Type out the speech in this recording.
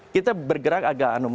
kita bergerak agak anomali